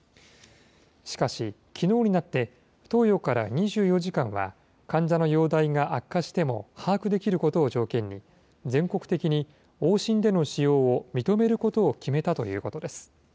しかし、きのうになって投与から２４時間は患者の容体が悪化しても、把握できることを条件に、全国的に往診での使用を認めることを決めたということです。